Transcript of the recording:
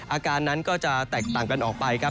อาการนั้นก็จะแตกต่างกันออกไปครับ